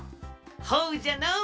ほうじゃのう！